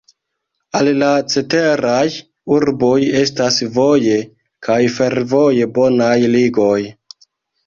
Al la ceteraj urboj estas voje kaj fervoje bonaj ligoj.